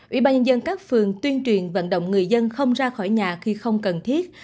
ủy ban nhân các phường tuyên truyền vận động người dân không ra khỏi nhà khi không cần thiết